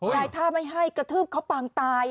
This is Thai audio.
นายท่าไม่ให้กระทืบเขาปางตาย